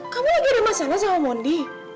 kamu lagi ada masalah sama mondi